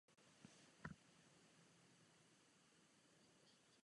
Leží na pobřeží Středozemního moře.